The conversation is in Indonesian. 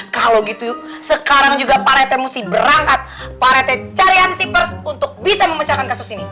nah kalau gitu sekarang juga pak rete mesti berangkat pak rete cari hansi pers untuk bisa memecahkan kasus ini